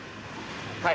はい。